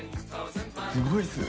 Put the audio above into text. すごいですよね。